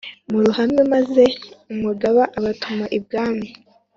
muruhame maze umugaba abatuma ibwami